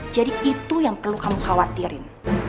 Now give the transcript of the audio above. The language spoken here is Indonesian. jadi itu yang perlu kamu khawatirin